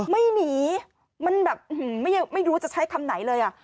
ไม่หนีมันแบบไม่รู้จะใช้คำไหนเลยอ่ะ